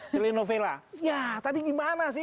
jelenovela ya tadi gimana sih